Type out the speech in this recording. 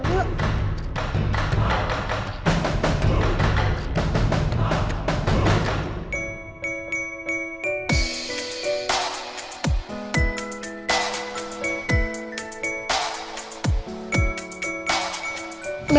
jangan lupaidu tempatnya